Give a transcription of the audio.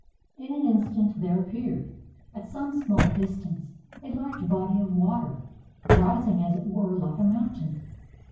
In an instant there appeared, at some small distance, a large body of water, rising as it were Uke a mountain.